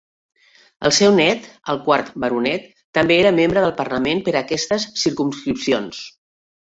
El seu nét, el quart Baronet, també era membre del parlament per aquestes circumscripcions.